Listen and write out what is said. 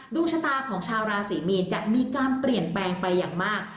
ดวงชะตาของชาวราศรีมีนจะมีการเปลี่ยนแปลงไปอย่างมาก